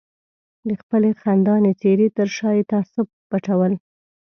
د خپلې خندانې څېرې تر شا یې تعصب پټول.